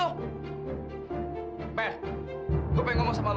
meh gue pengen ngomong sama lo